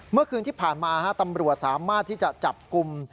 เมื่อคืนที่ผ่านมาตำรวจสามารถที่จะจับกลุ่ม